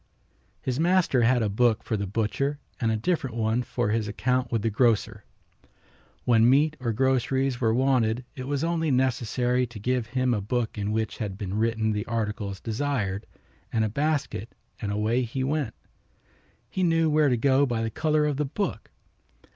His master had a book for the butcher and a different one for his account with the grocer. When meat or groceries were wanted it was only necessary to give him a book in which had been written the articles desired and a basket and away he went. He knew where to go by the color of the book.